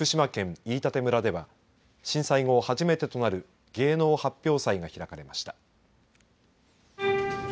飯舘村では震災後、初めてとなる芸能発表祭が開かれました。